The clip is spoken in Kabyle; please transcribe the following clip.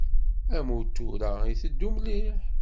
Amutur-a itteddu mliḥ.